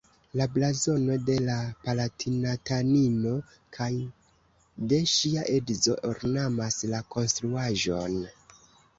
La blazono de la palatinatanino kaj de ŝia edzo ornamas la konstruaĵon.